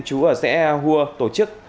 chú ở xã ea hua tổ chức